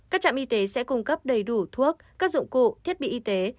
các trạm y tế sẽ cung cấp đầy đủ thuốc các dụng cụ thiết bị y tế